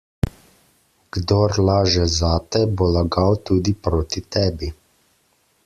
Kdor laže zate, bo lagal tudi proti tebi.